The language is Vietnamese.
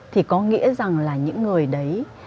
thì có nghĩa rằng là những người đấy